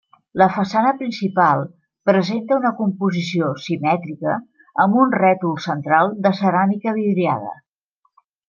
La façana principal presenta una composició simètrica, amb un rètol central de ceràmica vidriada.